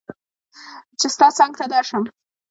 چې ستا څنګ ته درشم